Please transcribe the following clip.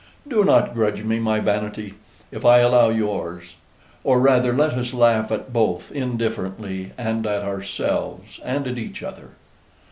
Do not grudge me my vanity, if I allow yours; or rather, let us laugh at both indifferently, and at ourselves, and at each other."